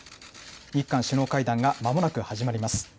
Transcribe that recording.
日韓首脳会談がまもなく始まります。